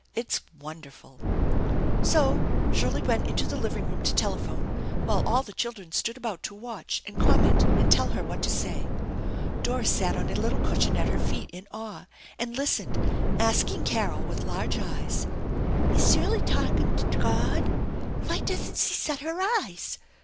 " It is wonderful !" So Shirley went into the living room to telephone, while all the children stood about to watch and comment and tell her what to say. Doris sat on a little cushion at her feet in awe, and listened, asking Carol with large eyes: a ls Sirley tautin to Dod ? Vy doesn't see sut her yeyes